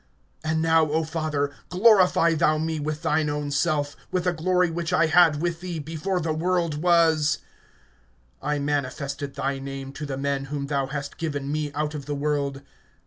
(5)And now, O Father, glorify thou me with thine own self, with the glory which I had with thee before the world was. (6)I manifested thy name to the men whom thou hast given me out of the world.